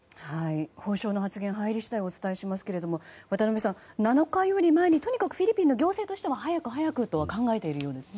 法相の発言入り次第、お伝えしますが渡辺さん、７日より前にとにかくフィリピンの行政も早く早くとは考えているようですね。